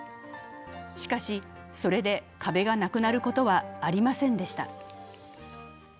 しかし、それで壁がなくなることはありませんでした。